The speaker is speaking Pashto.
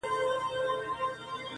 • دا دمست پښتون ولس دی -